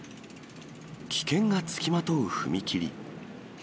危険が付きまとう踏切。